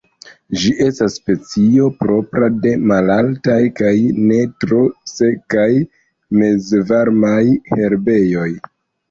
Ĝi estas specio propra de malaltaj kaj ne tro sekaj mezvarmaj herbejoj.